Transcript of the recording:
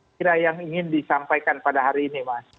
kira yang ingin disampaikan pada hari ini mas